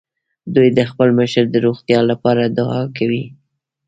دوی د خپل مشر د روغتيا له پاره دعاوې کولې.